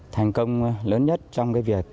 thành công lớn nhất trong việc